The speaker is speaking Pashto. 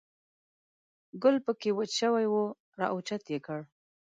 ګل په کې وچ شوی و، را اوچت یې کړ.